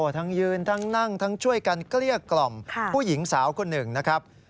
ทั้งยืนทั้งนั่งทั้งช่วยกันเกลี้ยกล่อมผู้หญิงสาวคนหนึ่งนะครับ